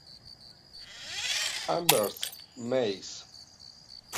Amherst, Mass.